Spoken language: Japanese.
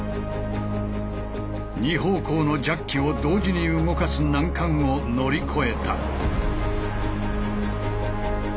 ２方向のジャッキを同時に動かす難関を乗り越えた。